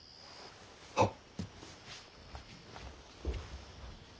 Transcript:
はっ。